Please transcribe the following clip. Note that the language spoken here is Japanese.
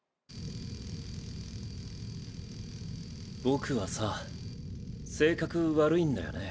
僕はさ性格悪いんだよね。